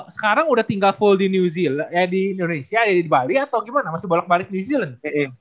sekarang udah tinggal full di indonesia ya di bali atau gimana masih bolak balik new zealand